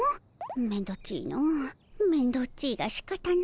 めんどっちいのめんどっちいがしかたないの。